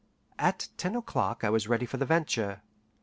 At ten o'clock I was ready for the venture.